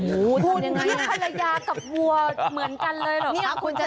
คุณที่ภรรยากับวัวเหมือนกันเลยหรอครับคุณธนา